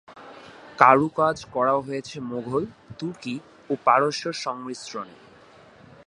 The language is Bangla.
কারুকাজ করা হয়েছে মোগল, তুর্কী ও পারস্যের সংমিশ্রণে।